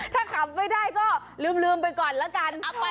ถ้าขับไม่ได้ก็ลืมไปก่อนแล้วกัน